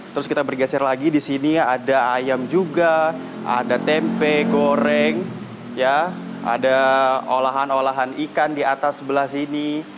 terus kita bergeser lagi di sini ada ayam juga ada tempe goreng ada olahan olahan ikan di atas sebelah sini